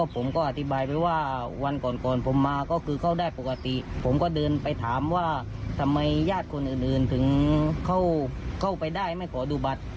ผมก็เดินไปถามว่าทำไมญาติคนอื่นถึงเข้าไปได้ไม่ขอดูบัตร